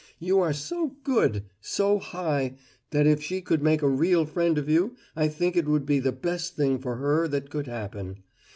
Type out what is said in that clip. You are so good, so high, that if she could make a real friend of you I think it would be the best thing for her that could happen.